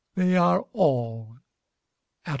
they are all at home."